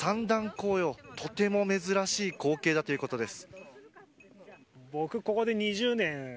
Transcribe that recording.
紅葉とても珍しい光景だということです。